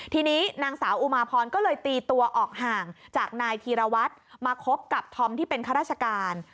ทีนี้นางสาวอุมาพรก็เลยตีตัวออกห่างจากนายธีรวัตรมาคบกับธอมที่เป็นข้าราชการ